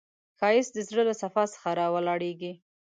ښایست د زړه له صفا څخه راولاړیږي